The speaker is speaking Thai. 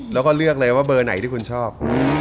แล้วก็เลือกเลยว่าเบอร์ไหนที่คุณชอบ